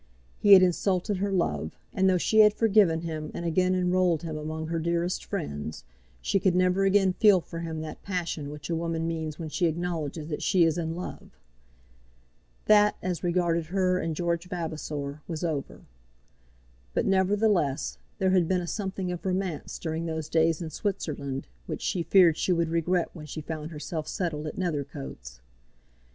He had insulted her love; and though she had forgiven him and again enrolled him among her dearest friends, she could never again feel for him that passion which a woman means when she acknowledges that she is in love. That, as regarded her and George Vavasor, was over. But, nevertheless, there had been a something of romance during those days in Switzerland which she feared she would regret when she found herself settled at Nethercoats.